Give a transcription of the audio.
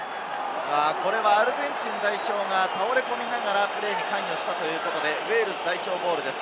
アルゼンチン代表が倒れ込みながらプレーに関与したということでウェールズ代表ボールです。